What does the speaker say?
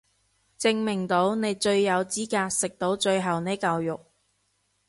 證明到你最有資格食到最後呢嚿肉